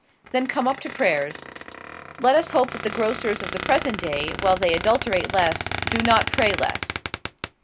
"Then come up to prayers." Let us hope that the grocers of the present day, while they adulterate less, do not pray less.